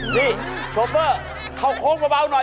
นี่โชเฟอร์เข้าโค้งเบาหน่อย